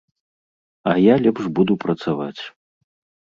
А я лепш буду працаваць.